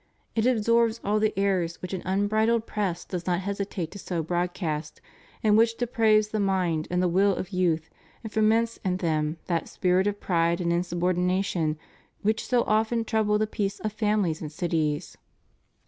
It absorbs all the errors which an unbridled press does not hesitate to sow broadcast and which depraves the mind and the will of youth and foments in them that spirit of pride and insubordination which so often trouble the peace of families and cities.